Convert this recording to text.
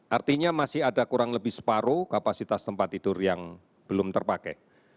artinya masih ada kurang lebih separuh kapasitas tempat tidur yang belum terpakai